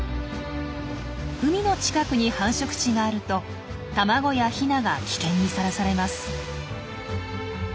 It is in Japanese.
海の近くに繁殖地があると卵やヒナが危険にさらされます。